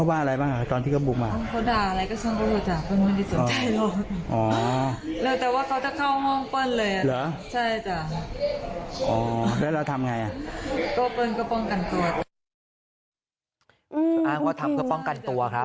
อ้างว่าทำเพื่อป้องกันตัวครับ